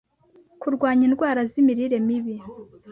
kurwanya indwara z’imirire mibi,